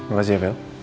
makasih ya bel